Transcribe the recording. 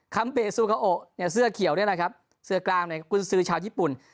คำเปซูเกาะเสื้อเขียวด้วยนะครับเสื้อกลางกุญศืชาวญี่ปุ่น